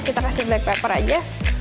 kita kasih black pepper aja